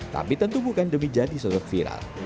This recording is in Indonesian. tapi tentu bukan demi jadi sosok viral